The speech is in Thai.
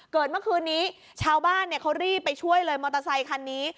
เมื่อคืนนี้ชาวบ้านเขารีบไปช่วยเลยมอเตอร์ไซคันนี้